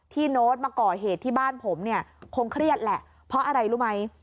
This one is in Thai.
โน้ตมาก่อเหตุที่บ้านผมเนี่ยคงเครียดแหละเพราะอะไรรู้ไหม